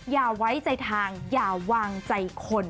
อย่าไว้ใจทางอย่าวางใจคน